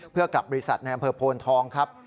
เพื่อกับบริษัทในอำเภอโพนทองครับ